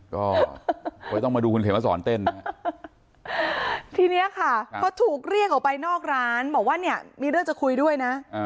ก็เลยต้องมาดูคุณเขมสอนเต้นนะทีนี้ค่ะเขาถูกเรียกออกไปนอกร้านบอกว่าเนี่ยมีเรื่องจะคุยด้วยนะ